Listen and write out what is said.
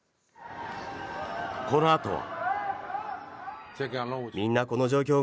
このあとは。